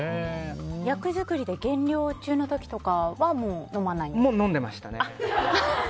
役作りで減量中の時は飲んでましたね。